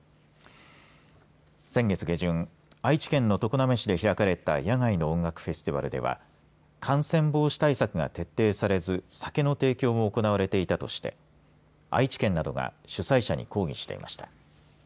先月下旬愛知県の常滑市で開かれた野外の音楽フェスティバルでは感染防止対策が徹底されず酒の提供も行われていたとして愛知県などが主催者に抗議していました。